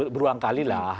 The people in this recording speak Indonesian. berulang kali lah